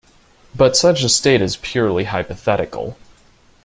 But such a state is purely hypothetical.